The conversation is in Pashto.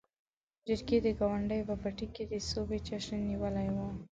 چرګې د ګاونډي په پټي کې د سوبې جشن نيولی و.